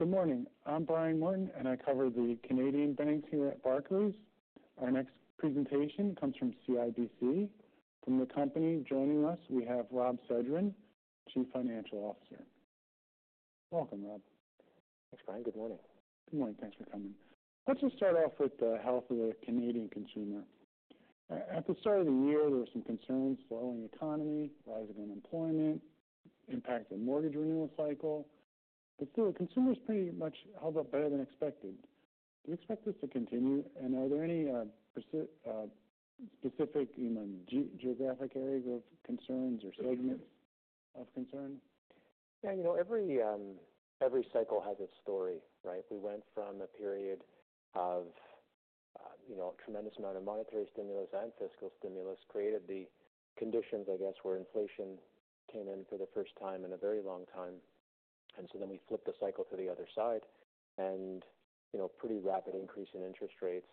Good morning. I'm Brian, and I cover the Canadian banks here at Barclays. Our next presentation comes from CIBC. From the company joining us, we have Robert Sedran, Chief Financial Officer. Welcome, Robert. Thanks, Brian. Good morning. Good morning. Thanks for coming. Let's just start off with the health of the Canadian consumer. At the start of the year, there were some concerns: slowing economy, rising unemployment, impact of mortgage renewal cycle. But still, the consumer's pretty much held up better than expected. Do you expect this to continue, and are there any specific, you know, geographic areas of concerns or segments of concern? Yeah, you know, every cycle has its story, right? We went from a period of, you know, a tremendous amount of monetary stimulus and fiscal stimulus that created the conditions, I guess, where inflation came in for the first time in a very long time, and so then we flipped the cycle to the other side and, you know, pretty rapid increase in interest rates,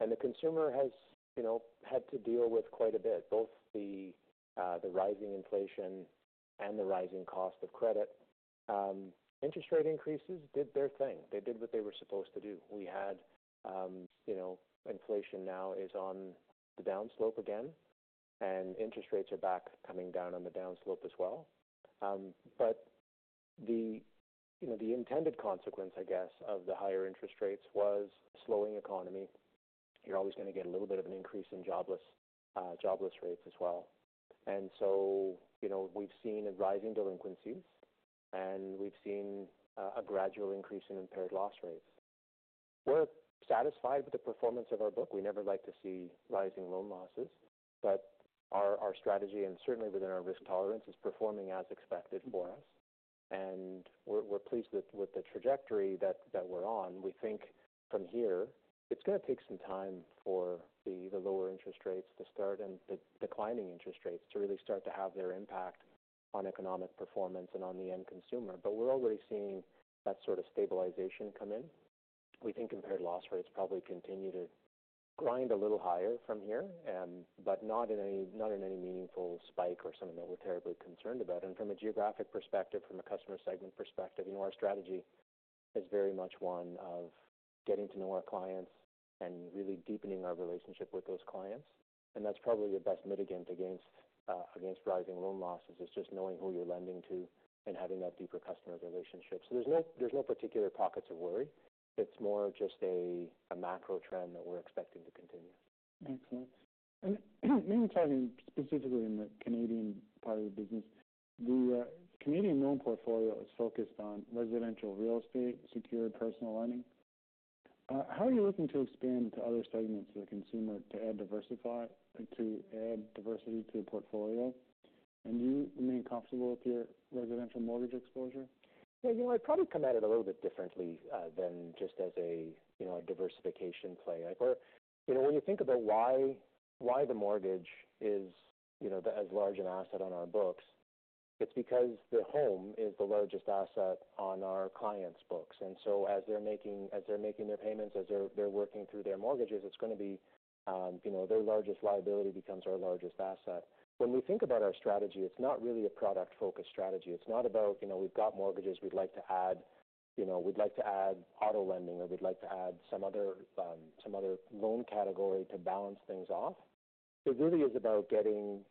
and the consumer has, you know, had to deal with quite a bit, both the rising inflation and the rising cost of credit. Interest rate increases did their thing. They did what they were supposed to do. We had, you know, inflation now is on the downslope again, and interest rates are back, coming down on the downslope as well, but the, you know, the intended consequence, I guess, of the higher interest rates was slowing economy. You're always going to get a little bit of an increase in jobless rates as well, and so, you know, we've seen a rise in delinquencies, and we've seen a gradual increase in impaired loss rates. We're satisfied with the performance of our book. We never like to see rising loan losses, but our strategy and certainly within our risk tolerance is performing as expected for us, and we're pleased with the trajectory that we're on. We think from here it's going to take some time for the lower interest rates to start and the declining interest rates to really start to have their impact on economic performance and on the end consumer, but we're already seeing that sort of stabilization come in. We think comparable loss rates probably continue to grind a little higher from here, but not in any meaningful spike or something that we're terribly concerned about, and from a geographic perspective, from a customer segment perspective, you know, our strategy is very much one of getting to know our clients and really deepening our relationship with those clients, and that's probably the best mitigant against rising loan losses, is just knowing who you're lending to and having that deeper customer relationship, so there's no particular pockets of worry. It's more just a macro trend that we're expecting to continue. Excellent. And maybe talking specifically in the Canadian part of the business, the Canadian loan portfolio is focused on residential real estate, secured personal lending. How are you looking to expand to other segments of the consumer to add diversity to the portfolio? And do you remain comfortable with your residential mortgage exposure? Yeah, you know, I'd probably come at it a little bit differently than just as a, you know, a diversification play. Like, or, you know, when you think about why the mortgage is, you know, as large an asset on our books, it's because the home is the largest asset on our clients' books. And so as they're making their payments, as they're working through their mortgages, it's going to be, you know, their largest liability becomes our largest asset. When we think about our strategy, it's not really a product-focused strategy. It's not about, you know, we've got mortgages, we'd like to add, you know, we'd like to add auto lending, or we'd like to add some other loan category to balance things off. It really is about getting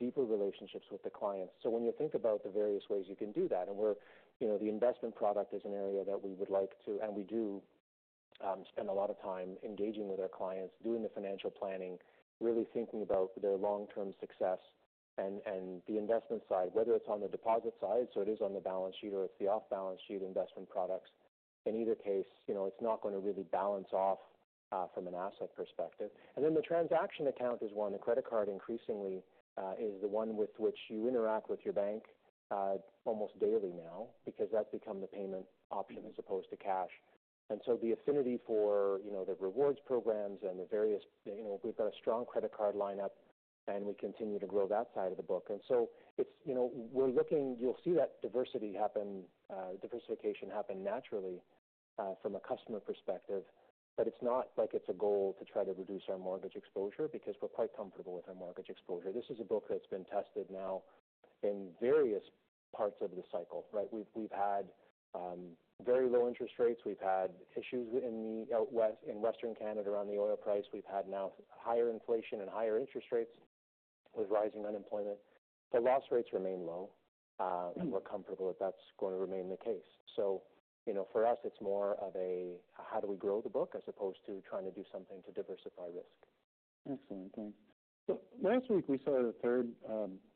deeper relationships with the clients. So when you think about the various ways you can do that, and we're, you know, the investment product is an area that we would like to, and we do, spend a lot of time engaging with our clients, doing the financial planning, really thinking about their long-term success and the investment side, whether it's on the deposit side, so it is on the balance sheet, or it's the off-balance sheet investment products. In either case, you know, it's not going to really balance off from an asset perspective. And then the transaction account is one. The credit card increasingly is the one with which you interact with your bank almost daily now, because that's become the payment option as opposed to cash. And so the affinity for, you know, the rewards programs and the various, you know, we've got a strong credit card lineup, and we continue to grow that side of the book. And so it's, you know, we're looking. You'll see that diversity happen, diversification happen naturally, from a customer perspective. But it's not like it's a goal to try to reduce our mortgage exposure, because we're quite comfortable with our mortgage exposure. This is a book that's been tested now in various parts of the cycle, right? We've had very low interest rates. We've had issues in the out west, in Western Canada, on the oil price. We've had now higher inflation and higher interest rates with rising unemployment. The loss rates remain low, and we're comfortable that that's going to remain the case. You know, for us, it's more of a how do we grow the book, as opposed to trying to do something to diversify risk. Excellent, thank you. So last week, we saw the third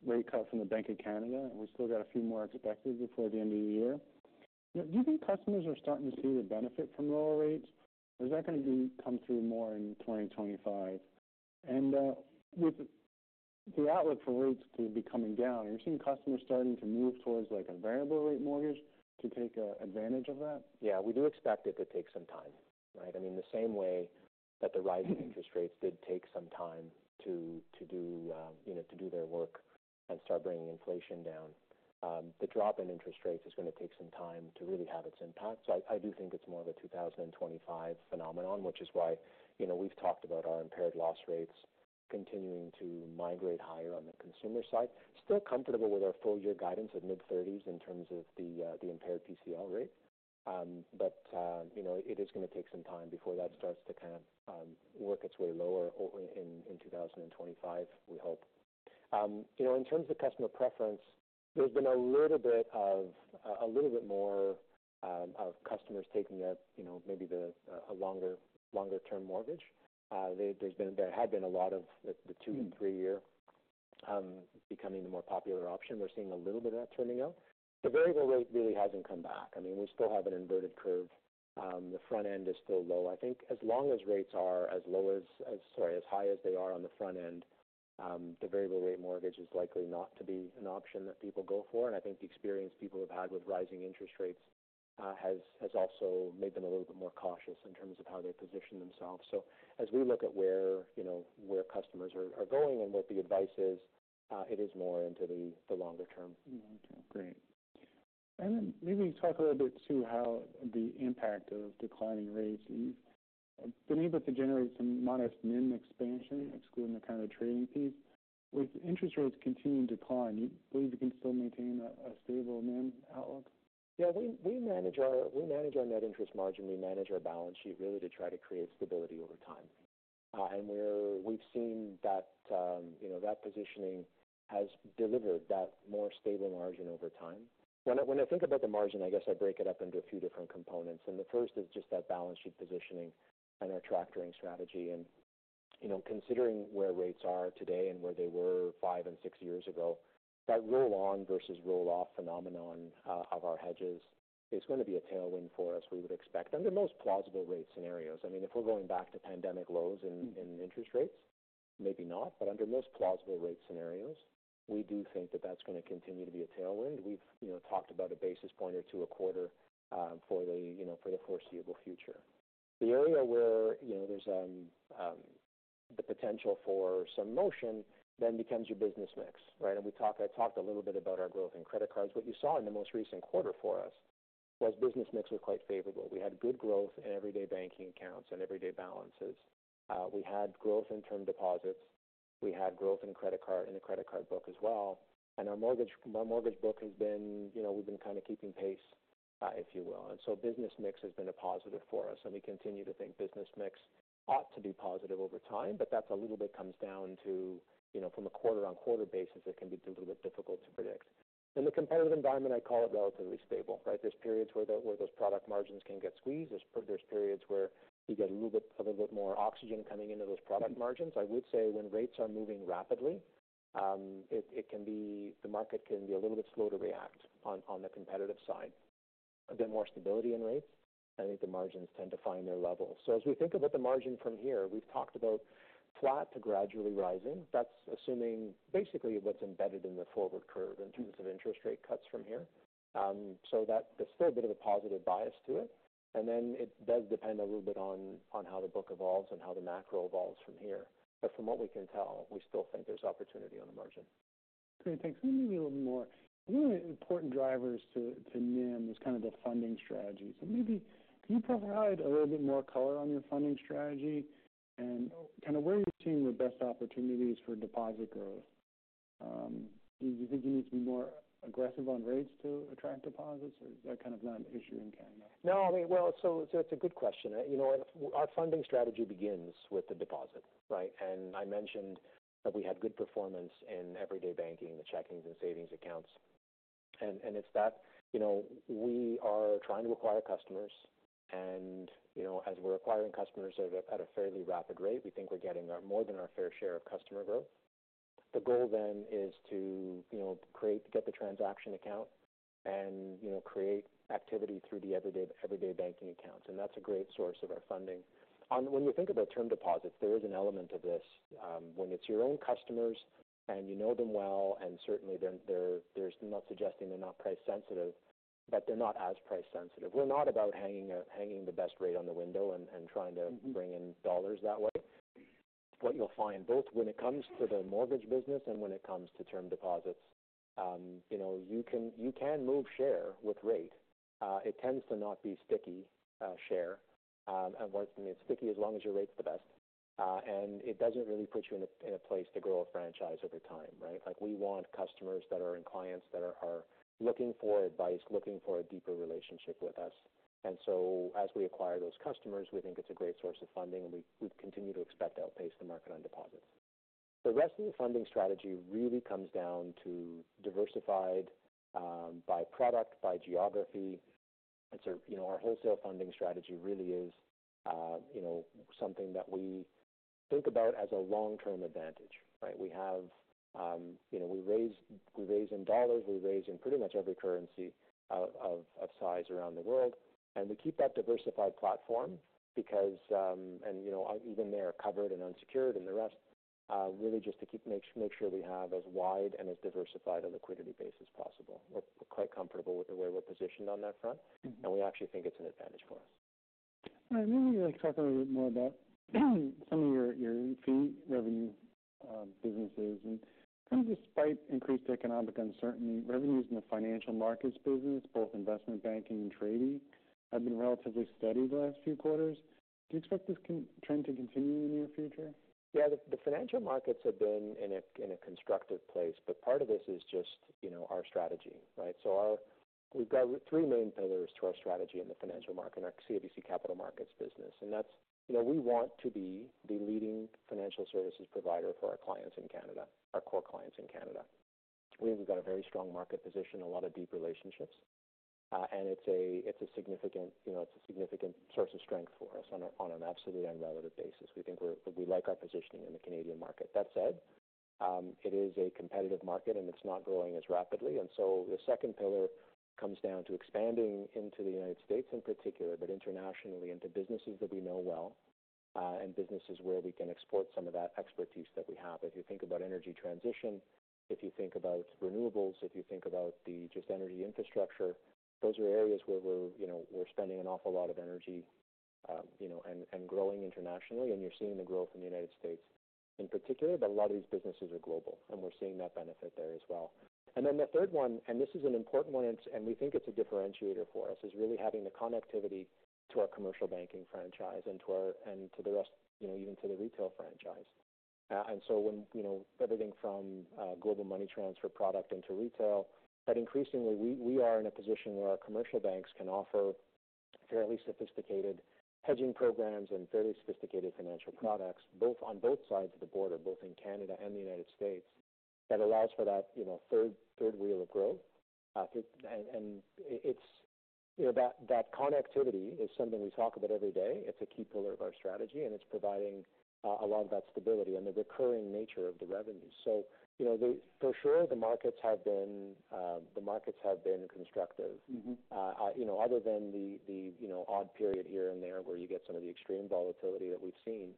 rate cut from the Bank of Canada, and we still got a few more expected before the end of the year. Do you think customers are starting to see the benefit from lower rates, or is that going to come through more in 2025? And with the outlook for rates to be coming down, are you seeing customers starting to move towards, like, a variable rate mortgage to take advantage of that? Yeah, we do expect it to take some time, right? I mean, the same way that the rise in interest rates did take some time to do their work and start bringing inflation down. The drop in interest rates is going to take some time to really have its impact. So I do think it's more of a 2025 phenomenon, which is why, you know, we've talked about our impaired loss rates continuing to migrate higher on the consumer side. Still comfortable with our full year guidance at mid-thirties in terms of the impaired PCL rate. But you know, it is going to take some time before that starts to kind of work its way lower over in 2025, we hope. You know, in terms of customer preference, there's been a little bit more of customers taking, you know, maybe a longer-term mortgage. There had been a lot of the two- and three-year becoming the more popular option. We're seeing a little bit of that trending out. The variable rate really hasn't come back. I mean, we still have an inverted curve. The front end is still low. I think as long as rates are as low as, as, sorry, as high as they are on the front end, the variable rate mortgage is likely not to be an option that people go for. I think the experience people have had with rising interest rates has also made them a little bit more cautious in terms of how they position themselves. As we look at where, you know, where customers are going and what the advice is, it is more into the longer term. Long term. Great. And then maybe talk a little bit, too, how the impact of declining rates, you've been able to generate some modest NIM expansion, excluding the kind of trading piece. With interest rates continuing to decline, do you believe you can still maintain a stable NIM outlook? Yeah, we manage our net interest margin, we manage our balance sheet, really, to try to create stability over time, and we've seen that, you know, that positioning has delivered that more stable margin over time. When I think about the margin, I guess I break it up into a few different components, and the first is just that balance sheet positioning and our hedging strategy. And, you know, considering where rates are today and where they were five and six years ago, that roll on versus roll off phenomenon of our hedges is going to be a tailwind for us. We would expect under most plausible rate scenarios. I mean, if we're going back to pandemic lows in interest rates, maybe not, but under most plausible rate scenarios, we do think that that's going to continue to be a tailwind. We've, you know, talked about a basis point or two a quarter, for the, you know, for the foreseeable future. The area where, you know, there's the potential for some motion then becomes your business mix, right? And we talked, I talked a little bit about our growth in credit cards. What you saw in the most recent quarter for us was business mix was quite favorable. We had good growth in everyday banking accounts and everyday balances. We had growth in term deposits, we had growth in credit card, in the credit card book as well. And our mortgage, our mortgage book has been, you know, we've been kind of keeping pace, if you will. And so business mix has been a positive for us, and we continue to think business mix ought to be positive over time, but that's a little bit comes down to, you know, from a quarter-on-quarter basis, it can be a little bit difficult to predict. In the competitive environment, I call it relatively stable, right? There are periods where those product margins can get squeezed. There are periods where you get a little bit, a little bit more oxygen coming into those product margins. I would say when rates are moving rapidly, it can be the market can be a little bit slow to react on the competitive side. A bit more stability in rates, I think the margins tend to find their level. So as we think about the margin from here, we've talked about flat to gradually rising. That's assuming basically what's embedded in the forward curve in terms of interest rate cuts from here, so that there's still a bit of a positive bias to it, and then it does depend a little bit on how the book evolves and how the macro evolves from here. But from what we can tell, we still think there's opportunity on the margin. Great, thanks. Maybe a little more. One of the important drivers to NIM is kind of the funding strategy. So maybe can you provide a little bit more color on your funding strategy and kind of where you're seeing the best opportunities for deposit growth? Do you think you need to be more aggressive on rates to attract deposits, or is that kind of not an issue in Canada? No, I mean, well, so it's a good question. You know, our funding strategy begins with the deposit, right? And I mentioned that we had good performance in everyday banking, the checking and savings accounts. And it's that, you know, we are trying to acquire customers and, you know, as we're acquiring customers at a fairly rapid rate, we think we're getting our more than our fair share of customer growth. The goal then is to, you know, create, get the transaction account and, you know, create activity through the everyday banking accounts, and that's a great source of our funding. When you think about term deposits, there is an element of this, when it's your own customers and you know them well, and certainly they're, there's... I'm not suggesting they're not price sensitive, but they're not as price sensitive. We're not about hanging the best rate on the window and trying to bring in dollars that way. What you'll find, both when it comes to the mortgage business and when it comes to term deposits, you know, you can move share with rate. It tends to not be sticky share, and where it's sticky as long as your rate's the best. And it doesn't really put you in a place to grow a franchise over time, right? Like, we want customers and clients that are looking for advice, looking for a deeper relationship with us. And so as we acquire those customers, we think it's a great source of funding, and we continue to expect to outpace the market on deposits. The rest of the funding strategy really comes down to diversified by product, by geography. It's you know our wholesale funding strategy really is you know something that we think about as a long-term advantage, right? We have you know we raise in dollars, we raise in pretty much every currency of size around the world, and we keep that diversified platform because you know even they are covered and unsecured, and the rest really just to make sure we have as wide and as diversified a liquidity base as possible. We're quite comfortable with the way we're positioned on that front, and we actually think it's an advantage for us. All right. Maybe like, talk a little bit more about some of your, your fee revenue, businesses. And kind of despite increased economic uncertainty, revenues in the financial markets business, both investment banking and trading, have been relatively steady the last few quarters. Do you expect this trend to continue in the near future? Yeah, the financial markets have been in a constructive place, but part of this is just, you know, our strategy, right? So we've got three main pillars to our strategy in the financial market, in our CIBC Capital Markets business, and that's, you know, we want to be the leading financial services provider for our clients in Canada, our core clients in Canada. We've got a very strong market position, a lot of deep relationships, and it's a significant, you know, it's a significant source of strength for us on a, on an absolute and relative basis. We think we're, we like our positioning in the Canadian market. That said, it is a competitive market, and it's not growing as rapidly. And so the second pillar comes down to expanding into the United States in particular, but internationally, into businesses that we know well, and businesses where we can export some of that expertise that we have. If you think about energy transition, if you think about renewables, if you think about the just energy infrastructure, those are areas where we're, you know, spending an awful lot of energy, you know, and growing internationally. And you're seeing the growth in the United States in particular, but a lot of these businesses are global, and we're seeing that benefit there as well. And then the third one, and this is an important one, and we think it's a differentiator for us, is really having the connectivity to our commercial banking franchise and to our... and to the rest, you know, even to the retail franchise. And so when, you know, everything from Global Money Transfer product into retail, that increasingly we are in a position where our commercial banks can offer fairly sophisticated hedging programs and fairly sophisticated financial products, both sides of the border, both in Canada and the United States. That allows for that, you know, third wheel of growth. I think, and it's, you know, that connectivity is something we talk about every day. It's a key pillar of our strategy, and it's providing a lot of that stability and the recurring nature of the revenue. So, you know, for sure, the markets have been constructive. Mm-hmm. You know, other than the odd period here and there, where you get some of the extreme volatility that we've seen,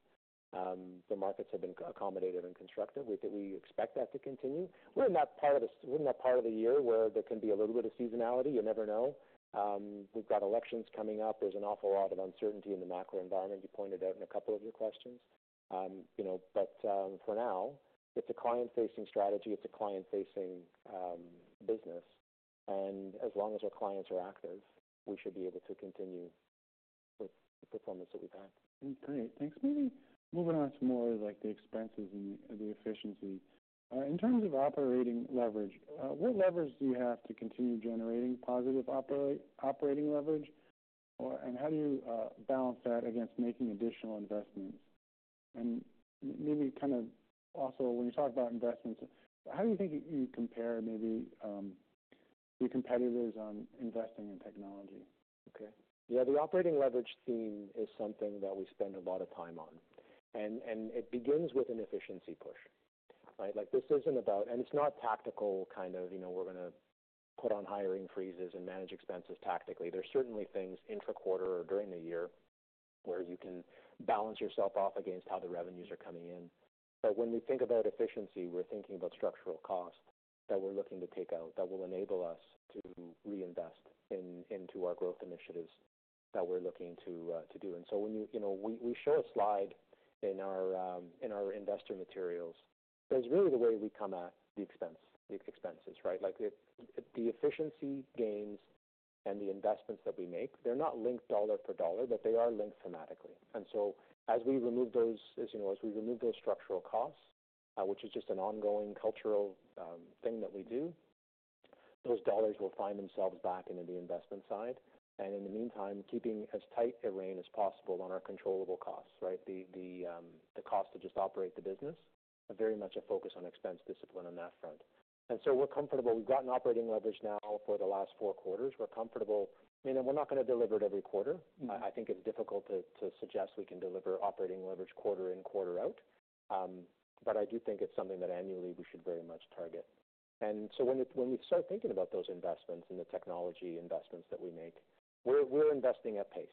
the markets have been accommodative and constructive. We think we expect that to continue. We're in that part of the year where there can be a little bit of seasonality. You never know. We've got elections coming up. There's an awful lot of uncertainty in the macro environment, you pointed out in a couple of your questions. You know, but for now, it's a client-facing strategy. It's a client-facing business, and as long as our clients are active, we should be able to continue with the performance that we've had. Okay, great. Thanks. Maybe moving on to more like the expenses and the efficiency. In terms of operating leverage, what levers do you have to continue generating positive operating leverage? And how do you balance that against making additional investments? And maybe kind of also, when you talk about investments, how do you think you compare maybe your competitors on investing in technology? Okay. Yeah, the operating leverage theme is something that we spend a lot of time on, and it begins with an efficiency push, right? Like, this isn't about... And it's not tactical, kind of, you know, we're going to put on hiring freezes and manage expenses tactically. There are certainly things intra-quarter or during the year where you can balance yourself off against how the revenues are coming in. But when we think about efficiency, we're thinking about structural costs that we're looking to take out that will enable us to reinvest into our growth initiatives that we're looking to do. And so, you know, we show a slide in our investor materials. That's really the way we come at the expenses, right? Like, the efficiency gains and the investments that we make, they're not linked dollar for dollar, but they are linked thematically, and so as we remove those, as you know, as we remove those structural costs, which is just an ongoing cultural thing that we do, those dollars will find themselves back into the investment side, and in the meantime, keeping as tight a rein as possible on our controllable costs, right? The cost to just operate the business are very much a focus on expense discipline on that front, and so we're comfortable. We've gotten operating leverage now for the last four quarters. We're comfortable, you know, we're not going to deliver it every quarter. Mm-hmm. I think it's difficult to suggest we can deliver operating leverage quarter in, quarter out, but I do think it's something that annually we should very much target, and so when we start thinking about those investments and the technology investments that we make, we're investing at pace,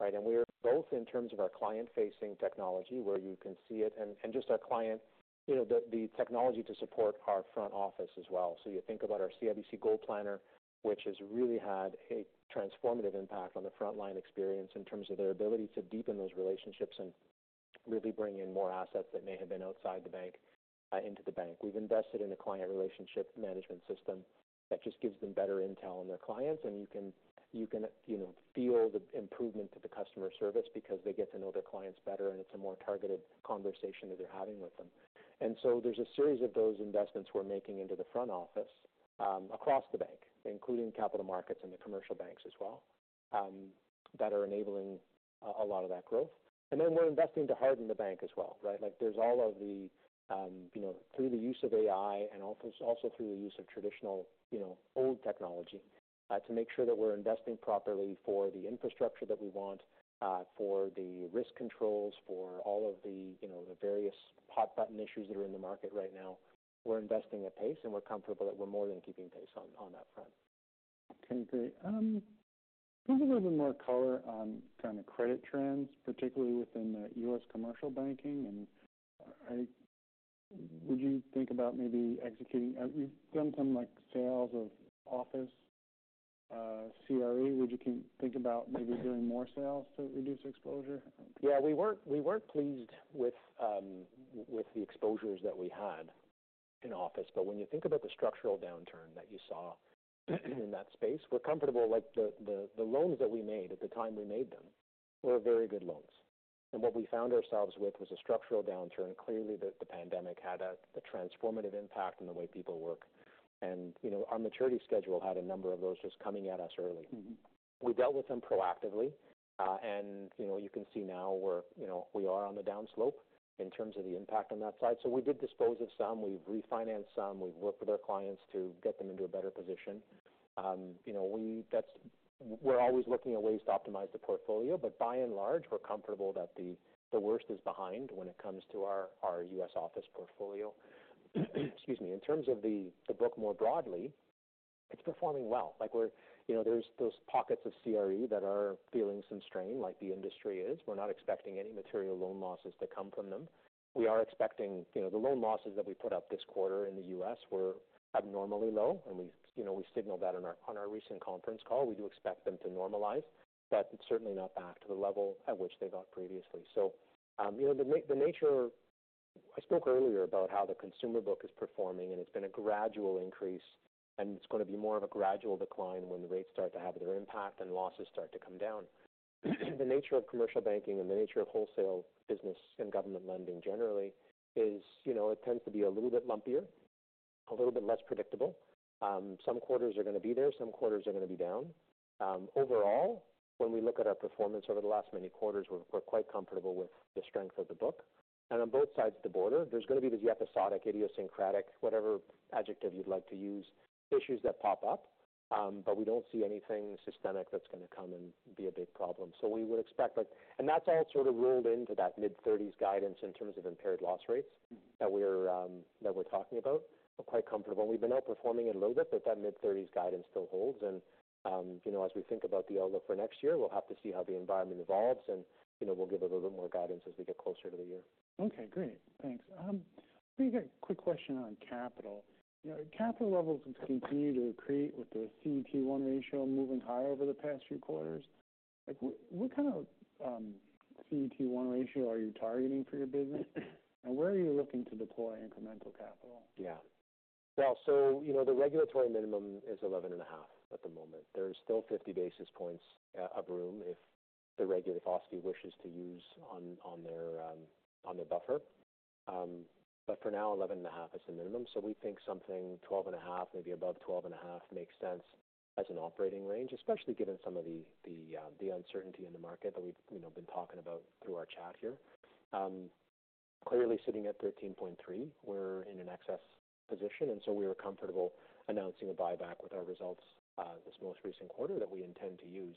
right? And we're both in terms of our client-facing technology, where you can see it, and just our client, you know, the technology to support our front office as well. So you think about our CIBC GoalPlanner, which has really had a transformative impact on the frontline experience in terms of their ability to deepen those relationships and really bring in more assets that may have been outside the bank, into the bank. We've invested in a client relationship management system that just gives them better intel on their clients, and you can, you know, feel the improvement to the customer service because they get to know their clients better, and it's a more targeted conversation that they're having with them. And so there's a series of those investments we're making into the front office across the bank, including capital markets and the commercial banks as well, that are enabling a lot of that growth. And then we're investing to harden the bank as well, right? Like, there's all of the, you know, through the use of AI and also through the use of traditional, you know, old technology, to make sure that we're investing properly for the infrastructure that we want, for the risk controls, for all of the, you know, the various hot button issues that are in the market right now. We're investing at pace, and we're comfortable that we're more than keeping pace on that front. Okay, great. Can you give a little bit more color on kind of credit trends, particularly within U.S. commercial banking? And would you think about maybe executing, you've done some, like, sales of office CRE. Would you think about maybe doing more sales to reduce exposure? Yeah, we weren't pleased with the exposures that we had in office. But when you think about the structural downturn that you saw in that space, we're comfortable, like, the loans that we made at the time we made them were very good loans. And what we found ourselves with was a structural downturn. Clearly, the pandemic had a transformative impact on the way people work, and, you know, our maturity schedule had a number of those just coming at us early. Mm-hmm. We dealt with them proactively, and, you know, you can see now we're, you know, we are on the downslope in terms of the impact on that side. So we did dispose of some, we've refinanced some, we've worked with our clients to get them into a better position. You know, we're always looking at ways to optimize the portfolio, but by and large, we're comfortable that the worst is behind when it comes to our US office portfolio. Excuse me. In terms of the book more broadly, it's performing well. Like, we're, you know, there's those pockets of CRE that are feeling some strain, like the industry is. We're not expecting any material loan losses to come from them. We are expecting, you know, the loan losses that we put up this quarter in the U.S. were abnormally low, and we, you know, we signaled that on our, on our recent conference call. We do expect them to normalize, but it's certainly not back to the level at which they got previously. So, you know, the nature... I spoke earlier about how the consumer book is performing, and it's been a gradual increase, and it's going to be more of a gradual decline when the rates start to have their impact and losses start to come down. The nature of commercial banking and the nature of wholesale business and government lending generally is, you know, it tends to be a little bit lumpier, a little bit less predictable. Some quarters are going to be there, some quarters are going to be down. Overall, when we look at our performance over the last many quarters, we're quite comfortable with the strength of the book, and on both sides of the border, there's going to be these episodic, idiosyncratic, whatever adjective you'd like to use, issues that pop up, but we don't see anything systemic that's going to come and be a big problem, so we would expect, like, and that's all sort of rolled into that mid-thirties guidance in terms of impaired loss rates. Mm-hmm. -that we're talking about. We're quite comfortable. We've been outperforming it a little bit, but that mid-thirties guidance still holds, and, you know, as we think about the outlook for next year, we'll have to see how the environment evolves, and, you know, we'll give a little bit more guidance as we get closer to the year. Okay, great. Thanks. Let me get a quick question on capital. You know, capital levels have continued to accrete with the CET1 ratio moving higher over the past few quarters. Like, what kind of CET1 ratio are you targeting for your business? And where are you looking to deploy incremental capital? Yeah. Well, so, you know, the regulatory minimum is 11.5 at the moment. There's still 50 basis points of room if the regulatory authority wishes to use on their buffer. But for now, 11.5 is the minimum. So we think something 12.5, maybe above 12.5, makes sense as an operating range, especially given some of the uncertainty in the market that we've, you know, been talking about through our chat here. Clearly, sitting at 13.3, we're in an excess position, and so we were comfortable announcing a buyback with our results this most recent quarter that we intend to use.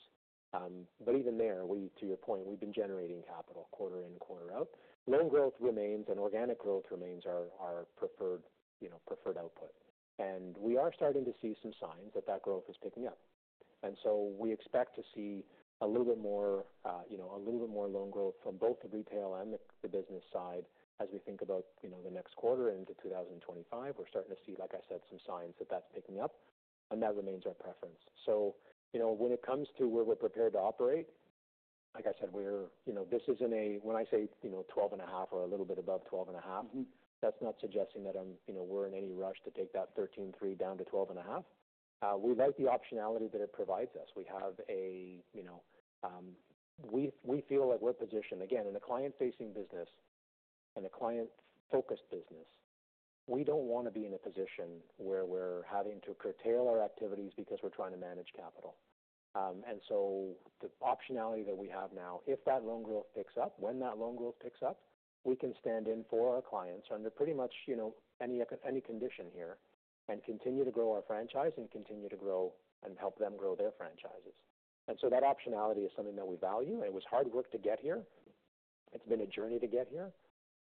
But even there, to your point, we've been generating capital quarter in, quarter out. Loan growth remains and organic growth remains our, our preferred, you know, preferred output. And we are starting to see some signs that that growth is picking up. And so we expect to see a little bit more, you know, a little bit more loan growth from both the retail and the business side as we think about, you know, the next quarter into 2025. We're starting to see, like I said, some signs that that's picking up, and that remains our preference. So, you know, when it comes to where we're prepared to operate, like I said, we're, you know, this isn't a, when I say, you know, twelve and a half or a little bit above twelve and a half- Mm-hmm. That's not suggesting that, you know, we're in any rush to take that thirteen three down to 12.5. We like the optionality that it provides us. We have, you know, we feel like we're positioned, again, in a client-facing business and a client-focused business. We don't want to be in a position where we're having to curtail our activities because we're trying to manage capital. And so the optionality that we have now, if that loan growth picks up, when that loan growth picks up, we can stand in for our clients under pretty much, you know, any condition here and continue to grow our franchise and continue to grow and help them grow their franchises. And so that optionality is something that we value. It was hard work to get here. It's been a journey to get here,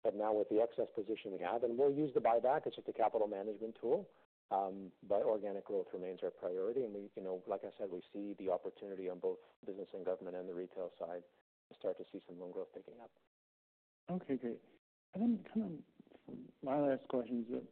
but now with the excess position we have, and we'll use the buyback, it's just a capital management tool. But organic growth remains our priority, and we, you know, like I said, we see the opportunity on both business and government and the retail side to start to see some loan growth picking up. Okay, great. And then kind of my last question is that,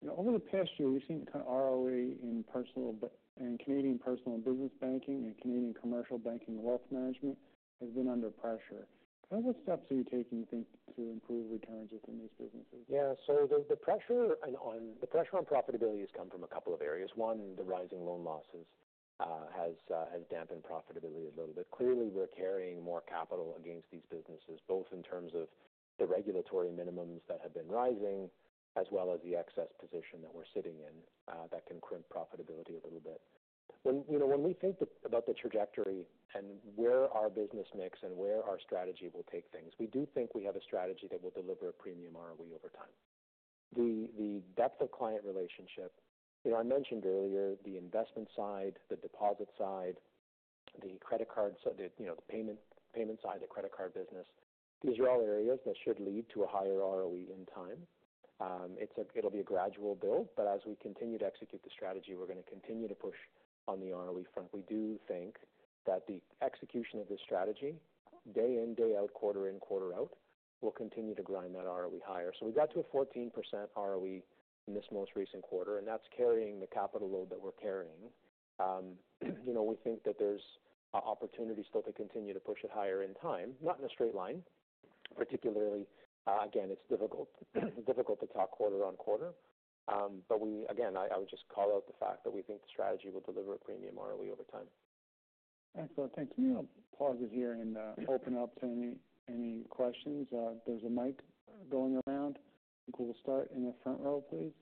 you know, over the past year, we've seen kind of ROE in personal in Canadian Personal and Business Banking and Canadian Commercial Banking and Wealth Management has been under pressure. What steps are you taking, you think, to improve returns within these businesses? Yeah, so the pressure on profitability has come from a couple of areas. One, the rising loan losses has dampened profitability a little bit. Clearly, we're carrying more capital against these businesses, both in terms of the regulatory minimums that have been rising, as well as the excess position that we're sitting in, that can crimp profitability a little bit. When you know, when we think about the trajectory and where our business mix and where our strategy will take things, we do think we have a strategy that will deliver a premium ROE over time. The depth of client relationship, you know, I mentioned earlier, the investment side, the deposit side, the credit card side, the you know, the payment side, the credit card business, these are all areas that should lead to a higher ROE in time. It'll be a gradual build, but as we continue to execute the strategy, we're going to continue to push on the ROE front. We do think that the execution of this strategy, day in, day out, quarter in, quarter out, will continue to grind that ROE higher. So we got to a 14% ROE in this most recent quarter, and that's carrying the capital load that we're carrying. You know, we think that there's opportunity still to continue to push it higher in time, not in a straight line, particularly again, it's difficult to talk quarter-on-quarter. But we again, I would just call out the fact that we think the strategy will deliver a premium annually over time. Excellent. Thank you. Can you pause it here and open up to any questions? There's a mic going around. I think we'll start in the front row, please.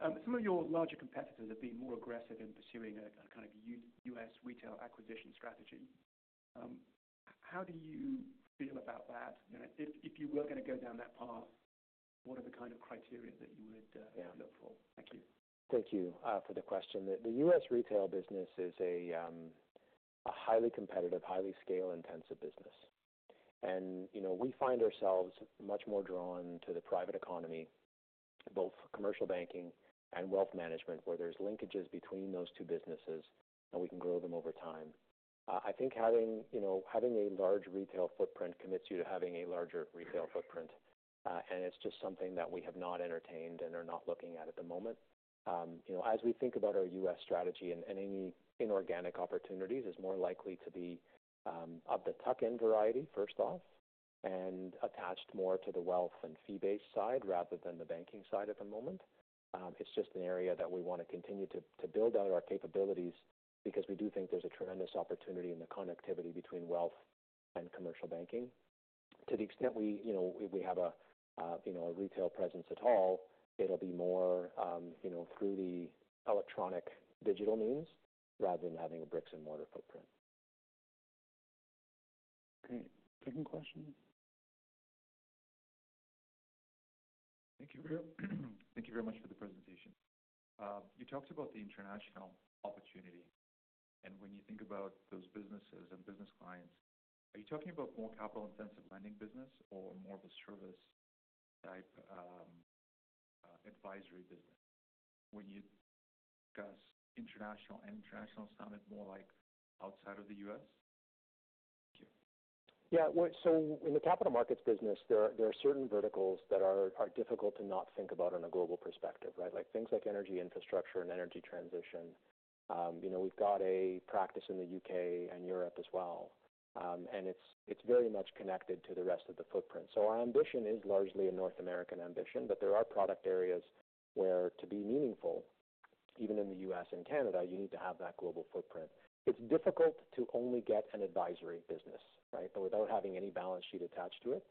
Thank you. Some of your larger competitors have been more aggressive in pursuing a kind of U.S. retail acquisition strategy. How do you feel about that? And if you were gonna go down that path, what are the kind of criteria that you would look for? Thank you. Thank you, for the question. The U.S. retail business is a highly competitive, highly scale-intensive business. And, you know, we find ourselves much more drawn to the private economy, both commercial banking and wealth management, where there's linkages between those two businesses, and we can grow them over time. I think having, you know, a large retail footprint commits you to having a larger retail footprint, and it's just something that we have not entertained and are not looking at the moment. You know, as we think about our U.S. strategy and any inorganic opportunities, it's more likely to be of the tuck-in variety, first off, and attached more to the wealth and fee-based side rather than the banking side at the moment. It's just an area that we want to continue to build out our capabilities because we do think there's a tremendous opportunity in the connectivity between wealth and commercial banking. To the extent we, you know, we have a retail presence at all, it'll be more, you know, through the electronic digital means rather than having a bricks-and-mortar footprint. Great. Second question. Thank you. Thank you very much for the presentation. You talked about the international opportunity, and when you think about those businesses and business clients, are you talking about more capital-intensive lending business or more of a service type, advisory business? When you discuss international, and international sounded more like outside of the U.S.? Thank you. Yeah, well, so in the capital markets business, there are certain verticals that are difficult to not think about on a global perspective, right? Like, things like energy infrastructure and energy transition. You know, we've got a practice in the U.K. and Europe as well. And it's very much connected to the rest of the footprint. So our ambition is largely a North American ambition, but there are product areas where to be meaningful, even in the U.S. and Canada, you need to have that global footprint. It's difficult to only get an advisory business, right? Without having any balance sheet attached to it.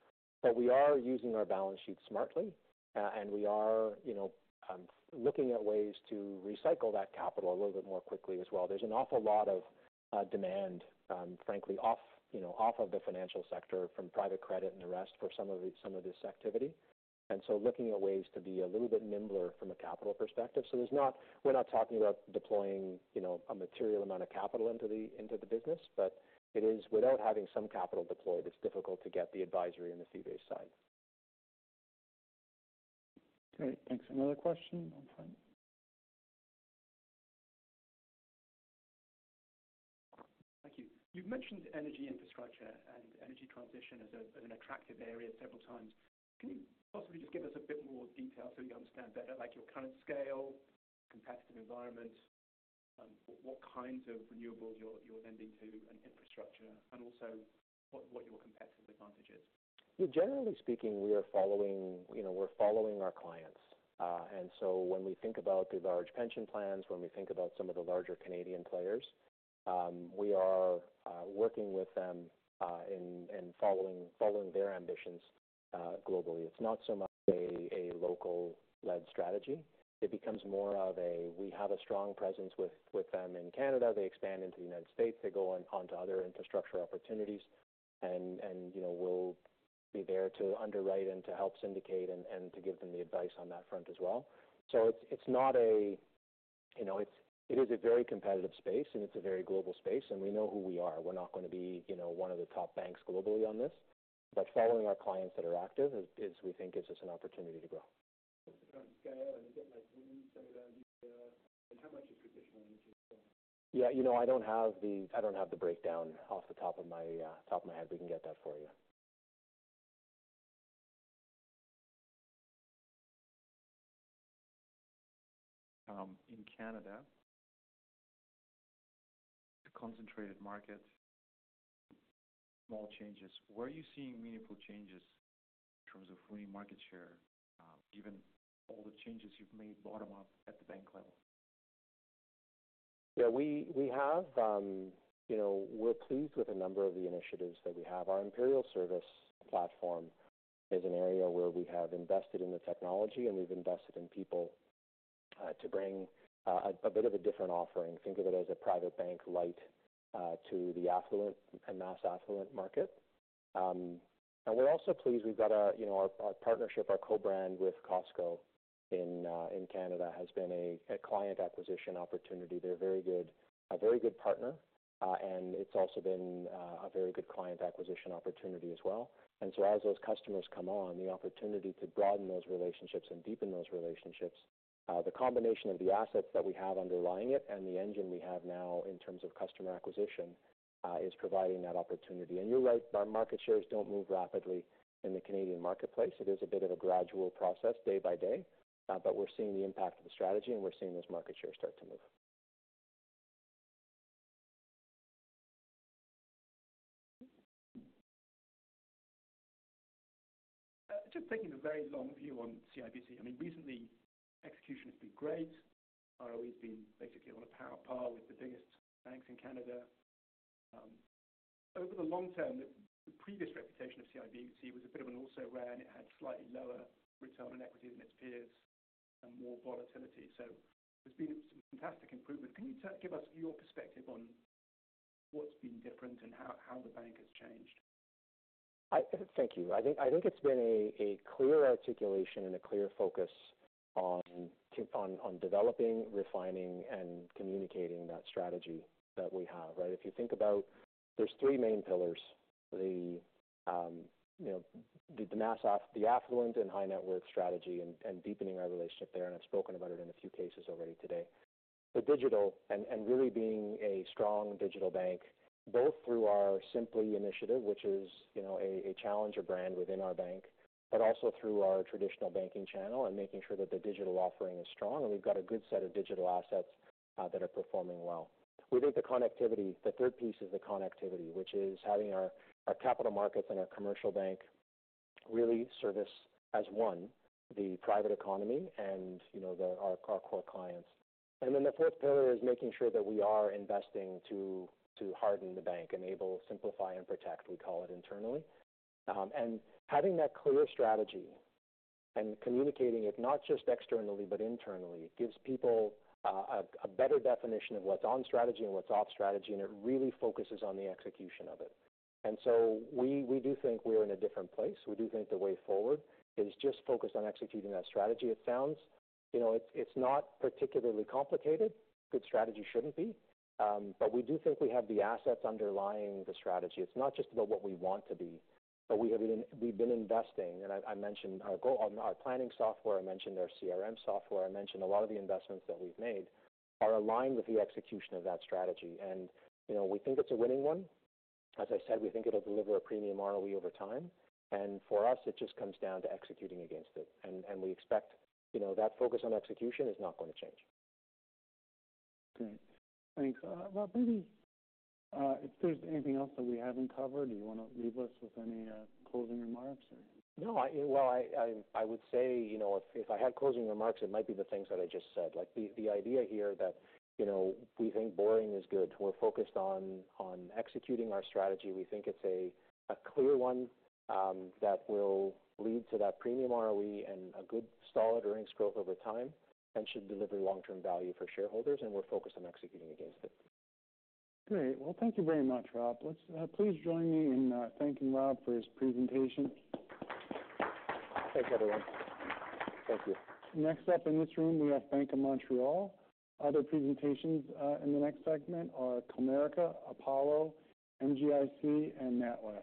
But we are using our balance sheet smartly, and we are, you know, looking at ways to recycle that capital a little bit more quickly as well. There's an awful lot of demand, frankly, off of the financial sector, from private credit and the rest, for some of it, some of this activity. And so looking at ways to be a little bit nimbler from a capital perspective. So we're not talking about deploying, you know, a material amount of capital into the business, but it is without having some capital deployed, it's difficult to get the advisory and the fee-based side. Great, thanks. Another question on front. Thank you. You've mentioned energy infrastructure and energy transition as an attractive area several times. Can you possibly just give us a bit more detail so we understand better, like your current scale, competitive environment, what kinds of renewables you're lending to and infrastructure, and also what your competitive advantage is? Yeah, generally speaking, we are following, you know, we're following our clients. And so when we think about the large pension plans, when we think about some of the larger Canadian players, we are working with them and following their ambitions globally. It's not so much a local-led strategy. It becomes more of a we have a strong presence with them in Canada. They expand into the United States. They go onto other infrastructure opportunities and, you know, we'll be there to underwrite and to help syndicate and to give them the advice on that front as well. So it's not a, you know. It is a very competitive space, and it's a very global space, and we know who we are. We're not going to be, you know, one of the top banks globally on this, but following our clients that are active is we think gives us an opportunity to grow. In terms of scale, can you get like, maybe some idea, how much is traditional energy? Yeah, you know, I don't have the breakdown off the top of my head. We can get that for you. In Canada, the concentrated market, small changes. Where are you seeing meaningful changes in terms of winning market share, given all the changes you've made bottom-up at the bank level? Yeah, we have, you know, we're pleased with a number of the initiatives that we have. Our Imperial Service platform is an area where we have invested in the technology, and we've invested in people, to bring a bit of a different offering. Think of it as a private bank light to the affluent and mass affluent market. And we're also pleased we've got a, you know, our partnership, our co-brand with Costco in Canada, has been a client acquisition opportunity. They're a very good partner, and it's also been a very good client acquisition opportunity as well. And so as those customers come on, the opportunity to broaden those relationships and deepen those relationships-... The combination of the assets that we have underlying it and the engine we have now, in terms of customer acquisition, is providing that opportunity. And you're right, our market shares don't move rapidly in the Canadian marketplace. It is a bit of a gradual process, day by day, but we're seeing the impact of the strategy, and we're seeing those market shares start to move. Just taking a very long view on CIBC, I mean, recently, execution has been great. ROE has been basically on a par with the biggest banks in Canada. Over the long term, the previous reputation of CIBC was a bit of an also-ran where it had slightly lower return on equity than its peers and more volatility. So there's been some fantastic improvement. Can you give us your perspective on what's been different and how the bank has changed? Thank you. I think it's been a clear articulation and a clear focus on developing, refining, and communicating that strategy that we have, right? If you think about, there's three main pillars. The mass affluent and high-net-worth strategy and deepening our relationship there, and I've spoken about it in a few cases already today. The digital and really being a strong digital bank, both through our Simplii initiative, which is a challenger brand within our bank, but also through our traditional banking channel and making sure that the digital offering is strong, and we've got a good set of digital assets that are performing well. We think the connectivity, the third piece is the connectivity, which is having our capital markets and our commercial bank really serve as one the private economy and, you know, our core clients. And then the fourth pillar is making sure that we are investing to harden the bank, Enable, Simplify, and Protect, we call it internally, and having that clear strategy and communicating it, not just externally but internally, gives people a better definition of what's on strategy and what's off strategy, and it really focuses on the execution of it. And so we do think we're in a different place. We do think the way forward is just focused on executing that strategy. It sounds, you know, it's not particularly complicated. Good strategy shouldn't be. But we do think we have the assets underlying the strategy. It's not just about what we want to be, but we have been. We've been investing, and I mentioned our goal, our planning software. I mentioned our CRM software. I mentioned a lot of the investments that we've made are aligned with the execution of that strategy. You know, we think it's a winning one. As I said, we think it'll deliver a premium ROE over time, and for us, it just comes down to executing against it. We expect, you know, that focus on execution is not going to change. Great. Thanks. Well, maybe, if there's anything else that we haven't covered, do you want to leave us with any closing remarks, or? No, I... Well, I would say, you know, if I had closing remarks, it might be the things that I just said. Like, the idea here that, you know, we think boring is good. We're focused on executing our strategy. We think it's a clear one, that will lead to that premium ROE and a good, solid earnings growth over time and should deliver long-term value for shareholders, and we're focused on executing against it. Great. Thank you very much, Robert. Let's please join me in thanking Robert for his presentation. Thanks, everyone. Thank you. Next up in this room, we have Bank of Montreal. Other presentations in the next segment are Comerica, Apollo, MGIC, and NatWest.